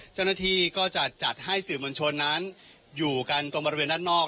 เจ้าหน้าที่ก็จะจัดให้สื่อมวลชนนั้นอยู่กันตรงบริเวณด้านนอก